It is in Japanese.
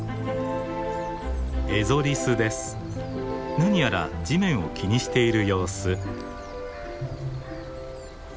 何やら地面を気にしている様子。